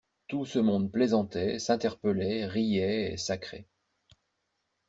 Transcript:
Tout ce monde plaisantait, s'interpellait, riait et sacrait.